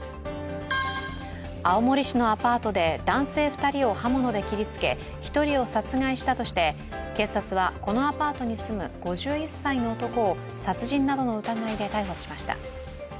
青森市のアパートで男性２人を刃物で切りつけ１人を殺害したとして警察は、このアパートに住む５１歳の男を殺人などの疑いで逮捕しました。